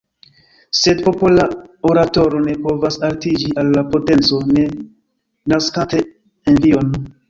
Sed popola oratoro ne povas altiĝi al la potenco, ne naskante envion.